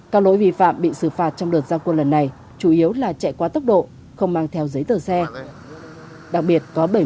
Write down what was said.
các lỗi vi phạm bị xử phạt trong đợt giao quân lần này chủ yếu là chạy quá tốc độ không mang theo giấy tờ xe